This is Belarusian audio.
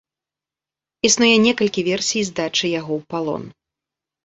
Існуе некалькі версій здачы яго ў палон.